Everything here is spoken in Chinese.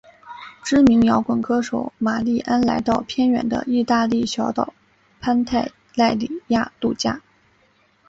知名摇滚歌手玛莉安来到偏远的义大利小岛潘泰莱里亚度假。